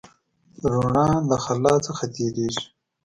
رڼا د خلا څخه تېرېږي.